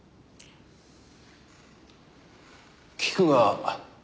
聞くが。